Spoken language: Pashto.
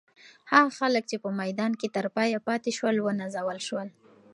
هغه خلک چې په میدان کې تر پایه پاتې شول، ونازول شول.